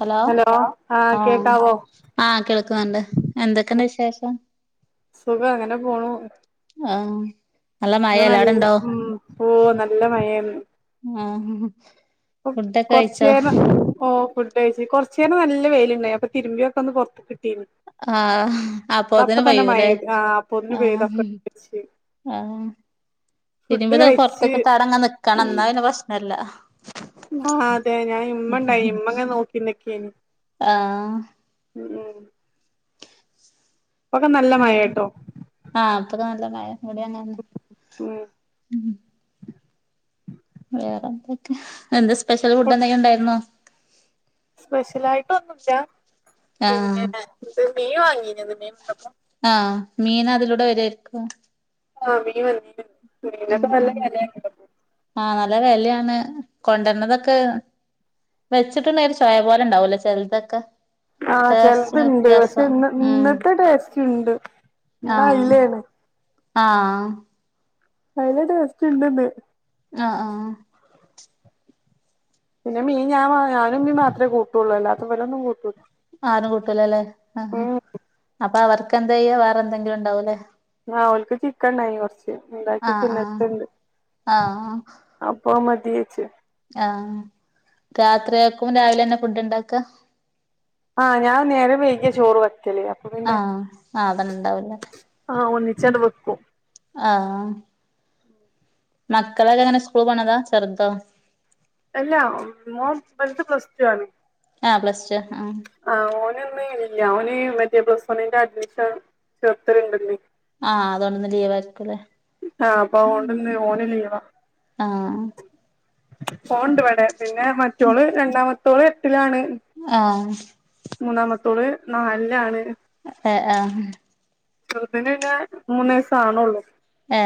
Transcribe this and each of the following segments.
Hello ആഹ് ആ കേക്കാവോ ആ കേൾക്കുന്നുണ്ട് എന്തൊക്കെ ഉണ്ട് വിശേഷം സുഖം അങ്ങനെ ആ അ നല്ല ഉ പോ നല്ല മഴയാണ് ഉം ഓ കൊറച്ചേരം ഓഫ് കൈഞ്ഞു കൊറചേരം നല്ല വൈല്ണ്ടയിനു അപ്പോ തിരിമ്ബിയോക്കെ വെയിലത്തിട്ട് ആ അപ്പൊതിന് തന്നെ പെയ്യൂല്ലേ മഴെയ്ത് ആഹ് അപ്പൊതിന് ആ പെയ്തൊക്കെ ച്ച് ആ ഫുഡ് തിരുമ്പിട്ട് കഴിച്ച് പുറത്തേക്ക് ഇട്ട് അവിടെ അങ്ങനെ നിക്കണം എന്നാ അ പ്രശ്നല്ല ആ അതെ ഞാൻ ഉമ്മ ഇണ്ടായി ഉമ്മങ്ങെന നോക്കിനിക്കെയ്ന് ആഹ് ഉം ഇപ്പൊക്കെ നല്ല വേറെ മഴയാട്ടോ ആ അപ്പൊത കായടെങ്ങന്ന് ഉം [inaudible] വേറെ എന്തൊക്കെ എന്താ സ്പെഷ്യൽ ഫുഡ് എന്തെങ്കിലും ഉണ്ടായിരുന്നോ സ്പെഷ്യലയിട്ടൊന്നുല്ല ആഹ് പിന്നെ ഇന്ന് മീൻ വാങ്ങീന് മീൻണ്ടപ്പോ ആ മീൻ അതിലൂടെ വരാരിക്കും ആ മീൻ വന്നി ഉം ഉം ആഹ് നല്ല വെലയാണ് കൊണ്ടരണതൊക്കെ വെച്ചിട്ടുണ്ടായി ഒരു ചൊയ പോലെ ഉണ്ടാവൂലോ ചിലരതൊക്കെ ആ ചിലത് ഇണ്ട് പക്ഷെ ഇന്ന് ഉം ഇന്നത്തെ ടേസ് റ്റ്ണ്ട് ഇന്ന് അയിലാണ് ആ ആ അയില ടേസ്റ്റ്ണ്ട്ന്ന് ആ ആ പിന്നെ മീൻ ഞാൻഞാനും ഉമ്മിം മാത്രെ കൂട്ടൂള്ളൂ അല്ലാതെ ഇവരൊന്നും കൂട്ടൂല ആരും കൂട്ടൂലല്ലേ ആ ഉം അപ്പൊ അവർക്കെന്താ ചെയ്യ വേറെ എന്തെങ്കിലും ഉണ്ടാവൂല്ലേ ആ ഓൽക്ക് ചിക്കണ്ടായി കൊറച്ച് ഉണ്ടാക്കിച്ചേ ഇന്നലത്തെ ഇണ്ട് ആ ആ ദിയച്ച [unintelligible] ആ രാത്രിയാക്കും രാവിലെന്നെ ഫുഡ് ഇണ്ടാക്ക ആ ഞാൻ നേരെം വൈകിയ ചോറ് വെക്കല്അപ്പൊ പിന്നെ ആഹ് ആഹ് അതന്നെ ഉണ്ടാവൂലേ ആ ഒന്നിച്ചണ്ട് വെക്കും ആ ഉം മക്കളൊക്കെങ്ങനെ സ്കൂൾ പോണതാ ചെർതൊ അല്ല മോൻ വല്ത് പ്ലസ് ടു ആണ് ആഹ് പ്ലസ് ടു ആഹ് ആ ഓ ന്‌ ഇന്ന് ഇല്ല ഓന് മറ്റെ പ്ലസ് വണ്ണിന്റെ അഡ്മിഷൻ ചേർത്തല്ണ്ട്ന്ന് ആഹ് അതൊണ്ട്ന്ന് ലീവാരിക്കുല്ലേ ആ അപ്പൊ അഓണ്ട്ന്ന് ഓന് ലീവാ ആഹ് ഓണ്ട് വടെ പിന്നെ മറ്റോള് രണ്ടാമത്തോള് എട്ട്ലാണ് ആഹ് മൂന്നാമത്തോള് നാൽലാണ് ഏ ആ ചെർത് ന് ന്നെ മൂന്ന് വയസ്സാണെള്ളൂ ഏ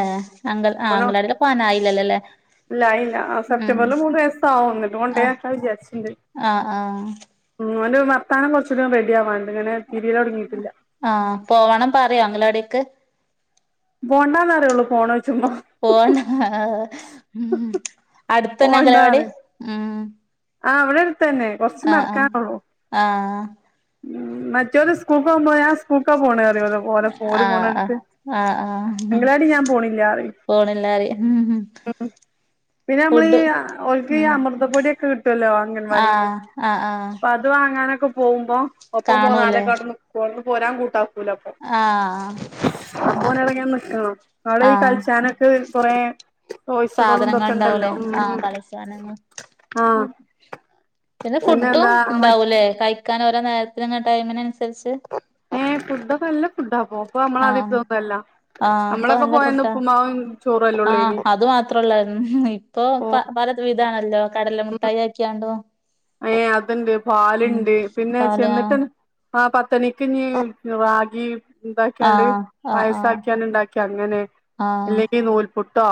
അംഗൽ ആ അംഗലാടിലൊക്കെ പോവാൻ ആയീല്ലല്ലേ ഇല്ല ആയീല്ല ആ സെപ്റ്റംബറില് മൂന്ന് വയസ്സാകും ന്നട്ട് കൊണ്ടേയാക്കാ വിചാരിച്ച്ണ്ട് ആ ഓന് വത്താനം കൊർച്ചൂടീം റെഡിയാവാൻണ്ട്ങ്ങനെ ആഹ് പോവണം പറയോ അംഗലാടീക്ക് പോണ്ടാന്ന്റയെള്ളൂ പോണ്ടാ ഉം അടുത്തന്നെ അംഗലവാടി ഉം ആ ഇവിടെ അടുത്തന്നെ കൊർച്ച് ആഹ് ആഹ് നടക്കാനൊള്ളൂ ആഹ് മറ്റോല് സ്കൂൾക്കോകുമ്പോ ഞാൻ സ്കൂൾക്കാപോണേ റിം ഓലപ്പം ഓല് ആഹ് പോണണ്ട്ട്ട് ആഹ് അംഗലാടി ഞാൻ പോണില്ലാറിം പോണ്ല്ലാറിം പിന്നെ നമ്മളീ ഇ അ ഓൽക് ഈ അമൃതപ്പൊടി ഒക്കെ കി ട്ടൊല്ലോ അംഗൻവാടിന്ന് ആഹ് ആഹ് ആഹ് അപ്പൊ അത് വാങ്ങാനൊ പ്പൊ പോകുമ്പോ ഒപ്പം കാണൂലേ പോന്നാലെക്കെ ഔടെനിക്കു ഔട്ന്ന്പോരാൻ കൂട്ടാ ക്കൂലപ്പൊ ആഹ് ഓനവ്ടങ്ങനെ നിക്കണം ഔടെഈ ആഹ് കൾച്ചാനൊക്കെ കൊറെ സാധനങ്ങൾ ഉണ്ടാവൂലെ ആഹ് കളിസ്സാനങ്ങൾ ആഹ് പിന്നെ ഫുഡും എന്താ മറ്റ് ഇണ്ടാവൂല്ലേ കഴിക്കാൻ ഓരോ നേരത്തിന് ഇങ്ങനെ ടൈമ്നൻസരിച്ച് ഏ ഫുഡൊക്കെ നല്ല ഫുഡാ ഇപ്പോ ഇപ്പൊ ആഹ് നമ്മളാദിരിത്തൊന്നല്ല നമ്മളൊക്കെ പോയന്ന് ഉപ്പ്മാവും ആ അത് മാത്രൊള്ളായിരുന്നു ഇപ്പൊ ഓ പ പല വിധാണല്ലോ കടല മുട്ടായിയാക്കിയാ ണ്ടും ഏ അത്ണ്ട് പാല്ണ്ട് പിന്നെ പാല് ആഹ് ചെന്ന്ട്ട് ആ പത്തണിക്ക്ഞ്ഞ് റാഗി ഇണ്ടാക്ക്യാണ്ട് ആഹ് ആഹ് പായസാക്ക്യാണ്ട് ഇണ്ടാക്കി അങ്ങനെ ആഹ് അല്ലെങ്കി ആഹ് നൂൽപുട്ടോ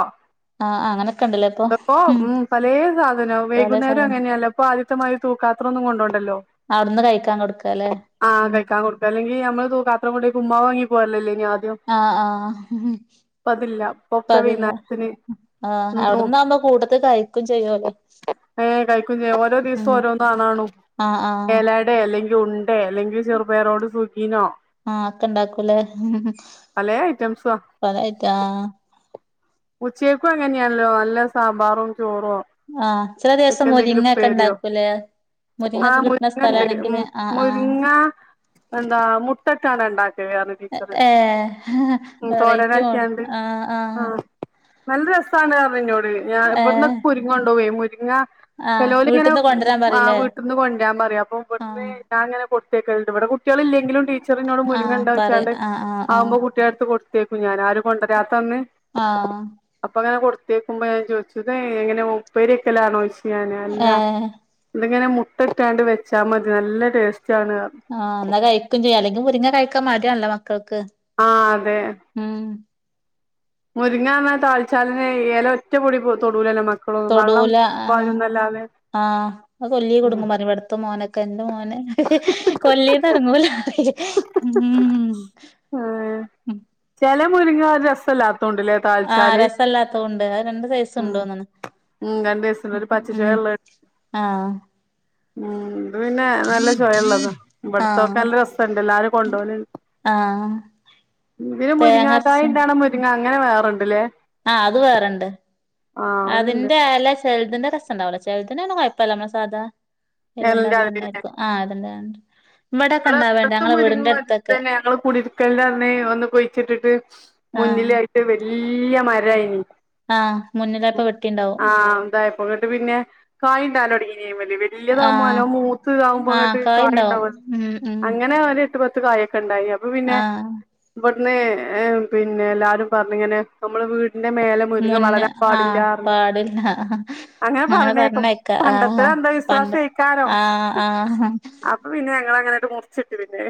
ആഹ് അങ്ങനൊക്കെ ഉണ്ടല്ലേ ഇപ്പൊ പ്പോ ഉം പലേ സാധനം പല വൈകുന്നേരം സാധനം അങ്ങനെയാല്ലോ ഇപ്പാദ്യ ത്തമാരി തൂക്കാത്രൊന്നും കൊണ്ടോണ്ടല്ലോ അവിടുന്ന് കഴിക്കാൻ കൊടുക്കാല്ലേ ആ ഉം കഴിക്കാൻ കൊടുക്ക അല്ലെങ്കിൽ ഞമ്മള് തൂക്കാത്രം കൊണ്ടോയി പുമ്മാ വാങ്ങി പോരലല്ലേനി ആ ആ ഇപ്പത് ല്ല ഇപ്പൊക്കെ വൈന്നാരത്ത്ന് ആഹ് ഔട്ന്നാവുമ്പോ കൂട്ടത്ത് കഴിക്കും ചെയ്യോല് ഏ കഴിക്കു ചെയ്യു ഓരോ ദിസ് ഉം പ്പോ ഓരോന്നാണാണു ആഹ് ആഹ് എലയടെ അല്ലെങ്കി ഉണ്ടെ അല്ലെങ്കി ചെറുപയറോട് സു ആ ഒക്കെ ഇണ്ടാക്കൂല്ലേ പലേ ഐറ്റംസാ പലയിറ്റാ ഉച്ചേക്കും അങ്ങനെയാല്ലോ നല്ല സാമ്പാറും ചോറോ ആഹ് ചില ദിവസം അയ്ക്കെന്തെങ്കിലും മുരിങ്ങൊക്കെ ഉപ്പേര്യോ ഉണ്ടാക്കൂലേ ആ മുരിങ്ങൊക്കെ കിട്ടുന്ന മുരിങ്ങണ്ട് ഉം സ്ഥലാണെങ്കില് ആഹ് ആഹ് മുരിങ്ങാ എന്താ മുട്ടട്ടാണ്ടാണ് ഇണ്ടാക്കല് റിം ടീച്ചറ് ഏഹ് തോരനാക്കിയാണ്ട് ആ ആ ആഹ് നല്ല രസാണ് പർഞ്ഞ് ഇന്നോട് ഞാൻ ഏഹ് ഇവിട്ന്നൊക്കെ മുരിങ്ങൊണ്ടോവേ മുരിങ്ങ ആഹ് ചെലോല് ഇങ്ങനെ വീട്ടിന്ന് കൊണ്ടുവരാൻ ആ പറയില്ലേ വീട്ടിന്ന് കൊണ്ടരാൻ പറയും അപ്പൊ ഇവിടുന്ന് ആഹ് ഞാൻ ഇങ്ങനെ കൊ ട്ത്തയക്കൽണ്ട് ഇവിടെ കുട്ട്യാളില്ലെങ്കിലും ടീച്ചറിന്നോട് ആഹ് മുരിങ്ങണ്ടോ പറയും ചോയ്ച്ചാണ്ട് ആഹ് ആഹ് ആഹ് ആവുമ്പോ കുട്ട്യാളെട്ത്ത് കൊട് ക്കും ഞാന് ആരും കൊണ്ടരാത്തന്ന് ആഹ് അപ്പങ്ങനെ കൊട് ത്തയക്കുമ്പോ ഞാൻ ചോദിച്ചു ഇതെ എങ്ങനെ ഉപ്പേരിയക്കലാണോ ചോയ്ച്ച് ഞാൻ അല്ല ഏഹ് ഇതിങ്ങനെ മു ട്ടട്ടാണ്ട് വെച്ചാ മതി നല്ല ടേസ്റ്റ് ആണ് പറഞ്ഞു ആ ഇന്നാ കഴിക്കും ചെയ്യാ അല്ലെങ്കിൽ മുരിങ്ങ കഴിക്കാൻ മടിയാണല്ലോ മ മക്കൾക്ക് ആഹ് ഉം. മുരിങ്ങാന്നാൽ താളിച്ചാലെന്നെ എല ഒറ്റ പൊടി തൊടൂലല്ലോ മ തൊടൂല ആ ആ അത് കൊല്ലീ ഉം കുടുങ്ങും പറിം ഇവിട്ത്ത മോനൊക്കെ മോന് കൊല്ലീന്ന് എറങ്ങൂലാറിം ഇം. ഏഹ് ഉം ചെല മുരിങ്ങ രസല്ലാത്തോണ്ട്ല്ലേ ആഹ് താളിച്ചാല്. രസല്ലാത്തോണ്ട് അത് രണ്ട് സൈസ് ഉം. ഉണ്ടോന്നാണ് ഉം രണ്ടീസത്തിന് ഒരു ഉം പച്ചച്ചൊയള്ള ആഹ് ഉം പിന്നെ നല്ല ഇള്ളത് ഇവിട്ത്തൊക്കെ ആഹ് നല്ല രസണ്ട് എല്ലാരും കൊണ്ടോവല് ആഹ് ണ്ട്. ഇതിന് മുരിങ്ങ തേങ്ങരച്ച കായിണ്ടാണ മുരിങ്ങ അങ്ങനെ വേറെണ്ട്ല്ലേ. ആ അത് വേറെണ്ട് ആഹ് അതുണ്ട് അതിന്റെ എല ചെൽതിന്റെ രസണ്ടാവുലാ ചെലതിന് പിന്നെ കൊഴപ്പല്ല നമ്മളെ സാധാ എലന്റെ എലന്റാതിരിയന്നെ ആയിരിക്കും ആഹ് എലന്റാ ഇങ്ങള് ഇപ്പത്തെ മുരിങ്ങ ഒല്ത്തന്ന കുടിയിരിക്കല്ന്റന്നേ ഒന്ന് കുയിച്ചിട്ടിട്ട് മു ആഹ് ന്നിലായിട്ട് വെല്ല്യ മരായിനി ആഹ് മുന്നിലായപ്പൊ വെ ആഹ് ഇതായപ്പോ ന്ന്ട്ട് പിന്നെ കായ് ഇണ്ടാവലൊടങ്ങീനെ വല്ല്യ വല്ല്യതാവുമ്പോ ആഹ് നല്ലോം മൂത്ത് ഇതാവു ആഹ് മ്പങ്ങണ്ട് കായ് കായ്ണ്ടാവും ഇണ്ടാവല്ലോ ഉം ഉം അങ്ങനെ ഒര് എട്ട് പത്ത് കായൊക്കെ ഇണ്ടായി അപ്പ പിന്നെ ആഹ് [unintelligible] ന്നെ പിന്നെ എല്ലാരും പറ്ഞ്ഞ് ഇങ്ങനെ നമ്മളെ വീ ട്ന്റെ മേലെ മുരിങ്ങ വളരാൻ പാടില്ലാർഞ്ഞ് പാടില്ലാ അങ്ങനെ പറഞ്ഞേക്കും പണ്ടത്തെ അന്ത പണ്ട് വിശ്വാസേക്കാരം ആഹ് ആഹ് അപ്പൊ പിന്നെ ഞങ്ങളെ അങ്ങനെ ട്ട് മുറിച്ചിട്ട് പിന്നെ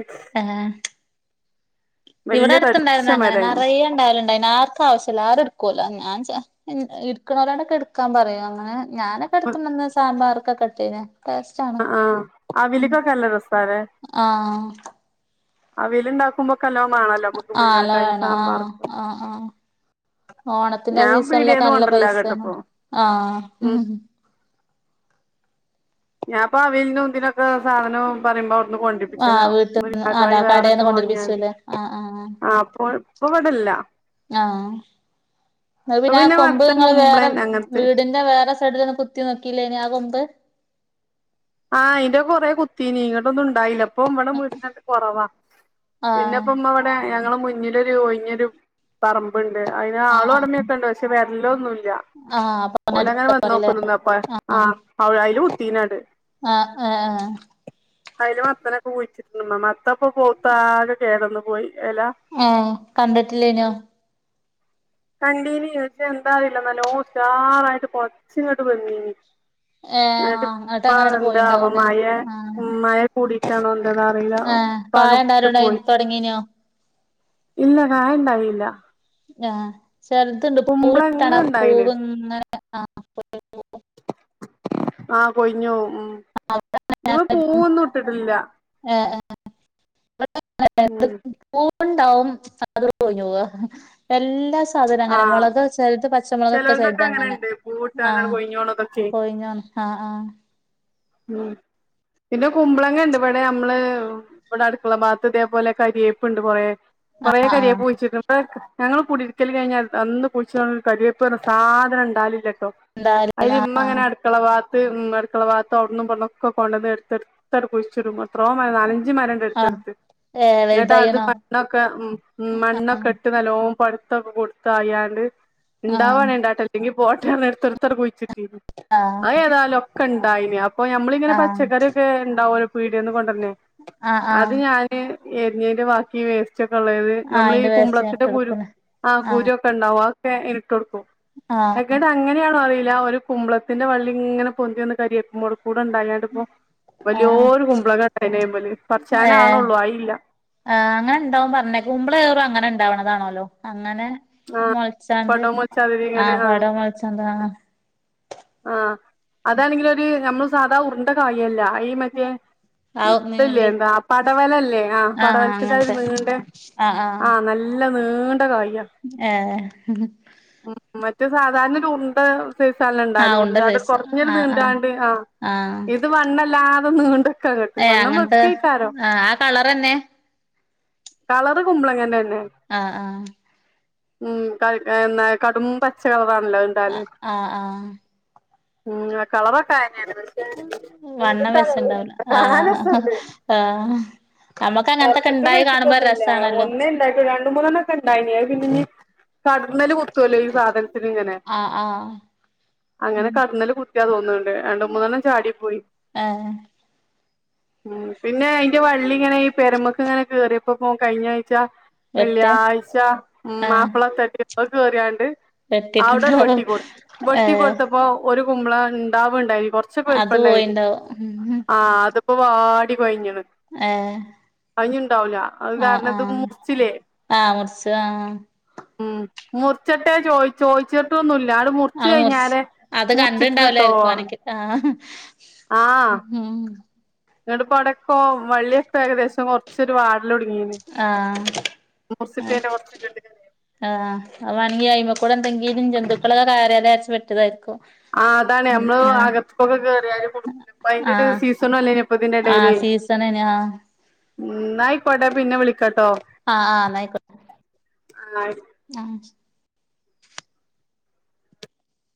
ഇവടെ വല്യ തടിച്ച അട്ത്തുണ്ടാരുന്നു അങ്ങനെ മരായിന് നറയെ ഇണ്ടാവല്ണ്ടാരുന്നു ആര് ക്കാവശ്യല്ലാ ആരും ഇട്ക്കുല്ലാ ഞാൻ ച എന് ഇട്ക്കണോരോടക്കെ ഇട്ക്കാൻ പറയും അങ്ങനെ ഞാനൊക്കെ ഇട്ത്തൊണ്ടോന്ന് സാമ്പാറ്കൊക്കെ ഇട്ടീനെ ആഹ് ആഹ് അവിയ്ല്ക്കൊക്കേ നല്ല രസാല്ലെ ആഹ് അവിയല് ഇണ്ടാക്കുമ്പൊക്കെ നല്ലോംമാണല്ലോ [unintelligible] ആഹ് അല മുരുങ്ങക്കായി വേണം സാമ്പാറ് ആഹ് ആഹ് ആഹ് ഓണത്തിന്റെ സീസണ്ലൊക്കെ നല്ല പൈസേണ് കേട്ടപ്പോ ഉം ആഹ് ഞാപ്പൊ അവിയലിനും ഇതിനൊ [unintelligible] സാധനോം പറയുമ്പ അവിടുന്ന് ആഹ് കൊണ്ടിപ്പിച്ചാലാവും വീട്ടിന്ന് അല്ല മുരിങ്ങക്കായും വേറ കടേന്ന് ഇട്ട് വാങ്ങിയണ്ട് കൊണ്ടൊരുപ്പിച്ചുല്ലേ ആഹ് ആഹ് അപ്പൊൾ ഇപ്പ ഇവിടില്ല ആഹ് എന്നാ പിന്നെ ആ കൊമ്പ് മത്തൻ നിങ്ങള് വേറെ കുമ്പളൻ അങ്ങനത്തെ വീടിന്റെ വേറെ സൈഡിലൊന്നും കുത്തി നോക്കിലേ ഇനി ആ കൊമ്പ് ആഹ് അയിന്റെ കൊറെ കുത്തീനി ഇങ്ങട്ടൊന്നും ഉണ്ടായില്ല ഇപ്പോം ഇവിടെ മുരിങ്ങക്ക കൊറവാ പിന്നെ ആഹ് ഇപ്പ ഉമ്മ ഇവിടെ ഞങ്ങള് മുന്നിലൊരു ഒഴിഞ്ഞൊരു പറമ്പ്ണ്ട് അതിന് ആളും ആഹ് ഒടമയൊക്കെ ഇണ്ട് പക്ഷെ വരലൊന്നു [unintelligible] ആഹ് അപ്പൊ ഓല് അങ്ങനെ അടുത്ത വന്ന് പറയില്ലേ [unintelligible] അപ്പ ആഹ് അ അയില് കുത്തീനാണ്ട് ആഹ് ആഹ് അതില് മത്തനൊക്കെ കുഴിച്ചിട്ടിട്ട്ണ്ട് ഉമ്മ മത്തപ്പൊ പൂത്ത് ആകെ കേട് വന്നു പോയി എല ഏഹ് കണ്ടിട്ടില്ലേനൊ കണ്ടീന് ചോദിച്ചാ എന്താന്നറിയില്ല നല്ലോണം ഉഷാറായിട്ട് കൊറച്ചു ഇങ്ങട്ട് വന്നീനി ഏഹ് ആഹ് എന്നിട്ട് എന്നട്ടപ്പ അങ്ങനണ്ട് എന്താ പോയിണ്ടാവൂലേ മഴ ആഹ് ഉഉം മഴ കൂടിട്ടാണോ അറിയില്ല ആഹ് കായ പാകപ്പെട്ടു ഉണ്ടാവലുണ്ടായി പോയി തൊടങ്ങീനോ ഇല്ല കാ ഇണ്ടായില്ല ആഹ് ചെറുതുണ്ട് പൂവിട്ടാണ് ആ പൂ ഇണ്ടായിന് ഇങ്ങനെ ആ ആഹ് കൊയ്ഞ്ഞു പോകും ഉം ഇവ പൂവൊന്നും ഇട്ടിട്ടില്ല [unintelligible] ഉം ണ്ടാവും അത് കൊഴിഞ്ഞുപോകുവാ എല്ലാ സാധനം അങ്ങനെ ആഹ് മുളക് ചഴത് പച്ചമുളക് ഒക്കെ ചെലോൽതൊക്കെ ചരുത് അങ്ങനെ അങ്ങനെണ്ട് പൂവിട്ടാണ്ട് ആഹ് കൊഴിഞ്ഞോണതൊക്കെ കൊഴിഞ്ഞു ആഹ ആഹ ഉം പിന്നെ കുമ്പളങ്ങ ഉണ്ട് ഇവിടെ നമ്മള് ഇവിടെ അടുക്കള ഭാഗത്ത് ഇതേപോലെ കറിയേപ്പുണ്ട് കുറേ ആഹ് കൊറെ ആഹ് കറിയെപ്പ് ആഹ് വെച്ചിട്ടുണ്ട് ഞങ്ങൾ കുടിയിരിക്കല് കഴിഞ്ഞാൽ അന്ന് കുഴിച്ച കറിയപ്പ പറഞ്ഞ സാധനം ഉണ്ടാവില്ലേ എന്തായാലും അതിൽ ഇമ്മ അങ്ങനെ ആഹ് അടുക്കളവാ ടുക്കള ഭാഗത്തം അവിടുന്നന്ന് പറഞ്ഞൊക്കെ കൊണ്ടന്ന് എടുത്ത്ടുത്ത് അടുൊഴിച്ചിും എത്രോ മരം നാലഞ്ച് മരം ഉണ്ട് ആഹ് അടുത്ത് ആഹ് അടുത്ത് ഏഹ് എന്നട്ട് അത് വലുതായിണോ മണ്ണൊക്കെ ഉം മണ്ണൊക്കെ ഇട്ട് നല്ലോ പര ത്തൊക്കെ കൊടുത്തു അയാണ്ട് ആഹ് ഉണ്ടാവാണേൽ ഉണ്ടാവട്ടെ അല്ലെങ്കി പോട്ട എടുത്ത് ടുത്തു കുഴിച്ചിട്ടീന്ന് ആഹ് ആ ഏതായാലും ഒക്കെ ഉണ്ടായി അപ്പൊ നമ്മളിങ്ങനെ ആഹ് ആഹ് പച്ചക്കറിയൊക്കെ ഉണ്ടാവല്ലോ പീടികന്ന് കൊണ്ട് വരുന്ന ആഹ് അത് ആഹ് ഞാന് എരിഞ്ഞേന്റെ ബാക്കി വേസ്റ്റ് ഒക്കെ ഉള്ളത് നമ്മൾ ഈ അയിന്റെ വേസ്റ്റ് ഇട്ട് കുമ്പളത്തിന്റെ കുരു കൊടുക്കണ് ആ കുരു ഒക്കെ ഉണ്ടവാ [unintelligible] ആ എങ്ങനെയാണോ അറിയില്ല ഒരു കുമ്പളത്തിന്റെ വള്ളി ഇങ്ങനെ പൊന്തി ഒന്ന് കരിയക്കുമ്പോടെ കൂടെ ഇണ്ടായിണ്ട്പ്പോ ആഹ് വലിയൊരു കുമ്പളങ്ങ ഉണ്ട് അതില് മേല് പറിച്ചാനാണള്ളൂ ആയില്ല ആ അങ്ങനെ ഉണ്ടാവും പറഞ്ഞേ കുമ്പള കയറും അങ്ങനെ ഉണ്ടാവണതാണല്ലോ അങ്ങനെ മൊളച്ചാണ്ട് പടോം വെച്ചാതിരി ആ ഇങ്ങനെ പാടെ മൊളച്ചാണ്ട ആ അതാണെങ്കില് ഒരു നമ്മള് സാധാ ഉരുണ്ട കായില്ല ആയി മറ്റേ ആവും ഇതല്ലേ നീണ്ട് എന്താ പടവലല്ലേ ആ ആഹ് പടവലത്തിന്റെ ആ അങ്ങനത്തെ നീണ്ട ആ നല്ല നീണ്ട കായ് ഏ മറ്റെ സാധാരണ ഒരു ഉണ്ട ആഹ് ഉണ്ട ണ്ടാലൂർ സൈസ് കുറഞ്ഞ ആഹ് ആഹ് നീണ്ടാണ്ട് ആ ആഹ് ഇത് വണ്ണല്ലാതെ നീണ്ട് ഏഹ് വണ്ണം അങ്ങനത്തെ വെക്കുക്കാരോ ആഹ് ആ കളറന്നെ കളറ് കുമ്പളങ്ങന്റെണ് ആ ആ ഉം എന്താ കടും പച്ചക്കളറാണ് ആ ആ ആ ഉം കളറൊക്കെ ആ വണ്ണം വെച്ചുണ്ടാവില്ല ആ കാണാൻ ആ ചതച്ചിട്ട് വെച്ചിട്ടൊന്നുല്ല ഒന്നുമില്ല രസാണല്ലോ ഒന്നേ ഇണ്ടായി രണ്ടു മൂന്നെണ്ണം ഒക്കെ ഇണ്ടായിനി കടന്നല് കുത്തുവല്ലോ ഈ സാധനത്തിന് ഇങ്ങനെ ആഹ് ആഹ് അങ്ങനെ ഉം കടന്നല് കു തോന്നുന്നുണ്ട് രണ്ട് മൂന്നെണ്ണം ചാടി പോയി ഏഹ് ഉം പിന്നെ അയിന്റെ വള്ളി ഇങ്ങനെ ഈ പെരമേക്ക് ഇങ്ങനെ കേയറിയപ്പോകും കഴിഞ്ഞ വെട്ട് വെള്ളിയാഴ്ച ആഹ് ഉമാപ്പള ഒക്കെ കേറിയോണ്ട് അവിടെ വെട്ടിട്ടുണ്ടാവും വെട്ടി കൊടുത്ത് വെട്ടി ഏഹ് കൊടുത്തപ്പോ ഒരു കുമ്പളം ഉണ്ടാവുണ്ടായി കൊറച്ചൊക്കെ അത് വലുപ്പണ്ടായിന് പോയിണ്ടാവും ആ അതിപ്പോ വാടി കൊയിഞ്ഞു ഏ ല്ല അത് കാരണത് ആഹ് മുറിച്ചിലെ ആഹ് മുറിച്ച് ആഹ് ഉം മുറിച്ചിട്ടേ ചോയി ചോയിച്ചിട്ടൊന്നുല്ല ട് മുറിച്ച് അത് കഴിഞ്ഞാരെ അത് മുറിച്ചിട്ടൻ ട്ടോ കണ്ടിണ്ടാവൂലായിരിക്കും വാണെങ്കി ആഹ് ഉം നിട പടക്കോ വള്ളിയൊക്കെ ഏകദേശം മുറിച്ചൊരു വാട ആ ആ മുറിച്ചിട്ടേന്റെ കൊറച്ച് ഇങ്ങട്ട് കേറിയപ്പോ ആ അവണിയയിമക്ക ലുടെ എന്തെങ്കിലും ജന്തുക്കള് കാര്യതച്ച് വെട്ടിയാതായിരിക്കും ആ അതാണേ അമ്മള് അകതൊക്കെ കേറിയലു കൊടുക്കൂല്ല അയിന്റെ ഒരു സീസണുല്ലേ ഇനിപ്പ ഇതിന്റെടെല് സീസനന ആ ന്നായിക്കോട്ടെ പിന്നെ വിളി ആ ആ ആയിക്കോട്ടെ ആ ആ